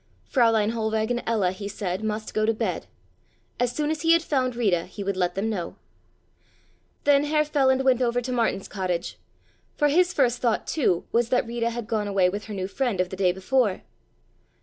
Fräulein Hohlweg and Ella, he said, must go to bed. As soon as he had found Rita he would let them know. Then Herr Feland went over to Martin's cottage, for his first thought, too, was that Rita had gone away with her new friend of the day before.